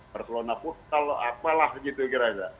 barcelona pusat apalah gitu kira kira